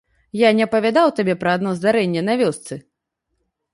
Я не апавядаў табе пра адно здарэнне на вёсцы?